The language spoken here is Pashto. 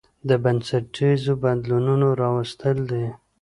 د بنسټيزو بدلونونو راوستل دي